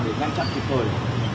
để ngăn chặn trịt hồi